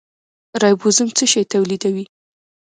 رایبوزوم څه شی تولیدوي؟